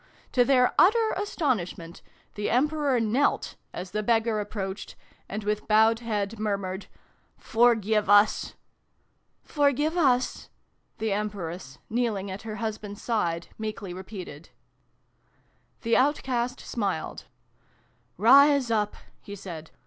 To their utter astonishment, the Emper or knelt as the beggar approached, and with bowed head murmured " Forgive us !"" Forgive us !" the Empress, kneeling at her husband's side, meekly repeated. The Outcast smiled. " Rise up !" he said.